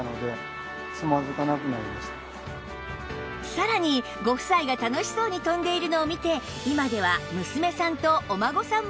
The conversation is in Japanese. さらにご夫妻が楽しそうに跳んでいるのを見て今では娘さんとお孫さんも愛用との事